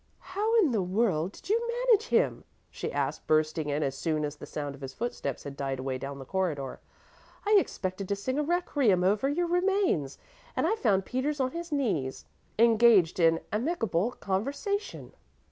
"How in the world did you manage him?" she asked, bursting in as soon as the sound of his footsteps had died away down the corridor. "I expected to sing a requiem over your remains, and I found Peters on his knees, engaged in amicable conversation."